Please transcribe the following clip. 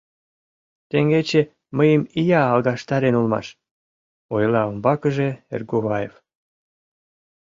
— Теҥгече мыйым ия алгаштарен улмаш, — ойла умбакыже Эргуваев.